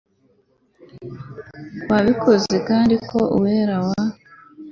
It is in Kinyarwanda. kwabikoze kandi ko uwera wa